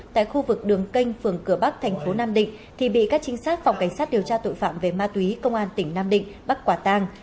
tại khu vực đường kênh phường cửa bắc thành phố nam định thì bị các trinh sát phòng cảnh sát điều tra tội phạm về ma túy công an tỉnh nam định bắt quả tang